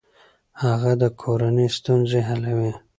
هغه د کورنۍ ستونزې حلوي.